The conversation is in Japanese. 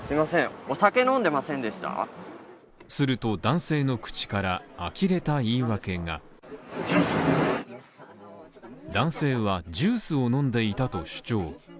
すると男性の口から呆れた言い訳が男性はジュースを飲んでいたと主張